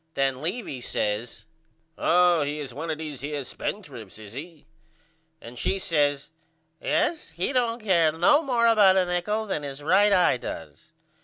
Then Levy says Oh he is one of these here spendrifts is he? and she says Yes he don't care no more about a nichol than his right eye does.